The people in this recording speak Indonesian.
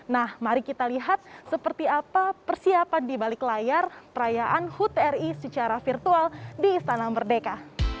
nah mari kita lihat seperti apa persiapan di balik layar perayaan hut ri secara virtual di istana merdeka